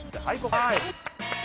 はい。